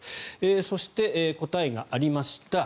そして、答えがありました。